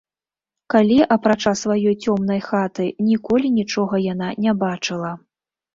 Калі, апрача сваёй цёмнай хаты, ніколі нічога яна не бачыла.